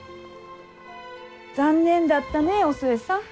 残念だったねお寿恵さん。